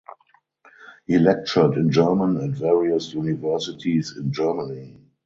He lectured in German at various universities in Germany.